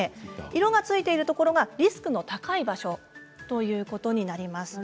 色がついているところがリスクの高い場所になります。